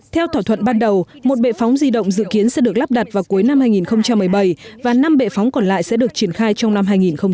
theo thỏa thuận ban đầu một bệ phóng di động dự kiến sẽ được lắp đặt vào cuối năm hai nghìn một mươi bảy và năm bệ phóng còn lại sẽ được triển khai trong năm hai nghìn một mươi chín